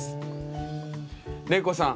玲子さん